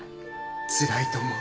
つらいと思う。